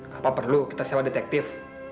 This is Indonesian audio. gak apa perlu kita sewa detektif